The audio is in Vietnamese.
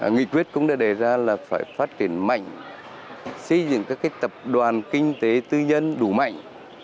nghị quyết cũng đã đề ra là phải phát triển mạnh xây dựng các tập đoàn kinh tế tư nhân đủ mạnh